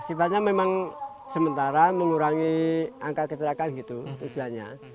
maksudnya memang sementara mengurangi angka keterakaan gitu tujuan nya